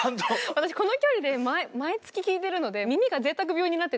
私この距離で毎月聴いてるので耳がぜいたく病になってて。